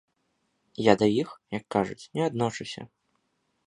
Я да іх, як кажуць, не адношуся.